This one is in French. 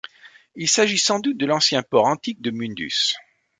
Il s'agit sans doute de l'ancien port antique de Mundus.